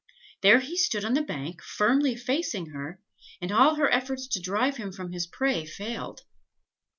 There he stood on the bank, firmly facing her, and all her efforts to drive him from his prey failed.